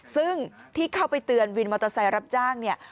ซึ่งที่เข้าไปเตือนวินมอเตอร์ไซค์รับจ้างเนี่ย